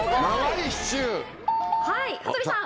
はい、羽鳥さん。